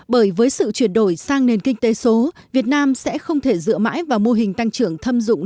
bởi với sự chuyển đổi sang nền kinh tế số việt nam sẽ không thể dựa mãi vào mô hình tăng trưởng thâm dụng